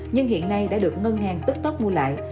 nhưng hiện nay đã được ngân hàng tức tốc mua lại